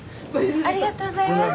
ありがとうございます。